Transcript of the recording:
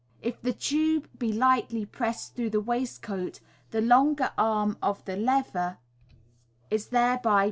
If the tuoe be lightly pressed through the waistcoat, the longer arm of the lever is thereby Figs.